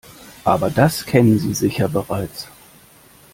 Aber das kennen Sie sicher bereits.